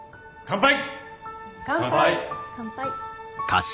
乾杯！